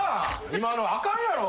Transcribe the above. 今のあかんやろ。